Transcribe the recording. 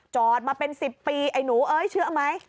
จอดมาเป็น๑๐ปีไอ้หนูเอ้ยเชื่อไหม